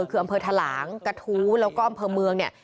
คืออำเภอทะหลางกระทู้แล้วก็อำเภอเมืองเนี่ย